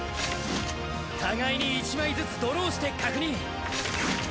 互いに１枚ずつドローして確認。